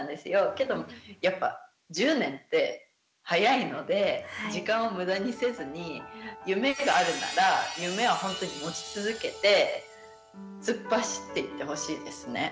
けどやっぱ１０年って早いので時間を無駄にせずに夢があるなら夢は本当に持ち続けて突っ走っていってほしいですね。